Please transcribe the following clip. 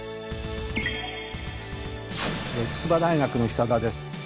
筑波大学の久田です。